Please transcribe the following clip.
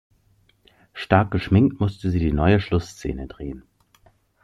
Stark geschminkt musste sie die neue Schlussszene drehen.